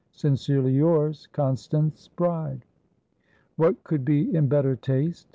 Sincerely yours, Constance Bride." What could be in better taste?